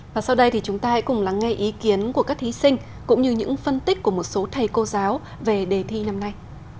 và sau đây thì chúng ta hãy cùng lắng nghe ý kiến của các thí sinh cũng như những phân tích của một số thầy cô giáo về đề thi năm nay